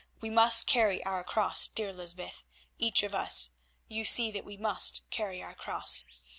We must carry our cross, dear Lysbeth, each of us; you see that we must carry our cross.